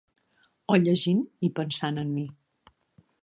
O llegint i pensant en mi.